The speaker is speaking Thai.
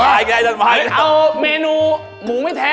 เอาเมนูหมูไม่แท้